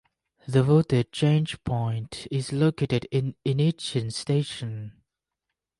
The voltage change point is located in Innichen station.